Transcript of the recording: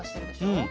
うん。